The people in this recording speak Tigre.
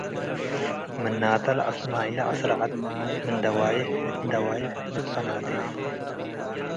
ምናተ ለአስማይለ አስረዐት ምን ደዋዬሕ እት ደዋዬሕ ልትፈናቴ ።